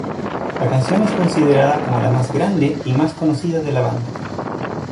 La canción es considerada como la más grande y más conocida de la banda.